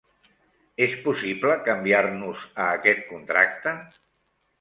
És possible canviar-nos a aquest contracte?